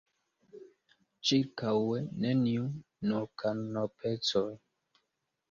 Ĉirkaŭe neniu: nur karnopecoj.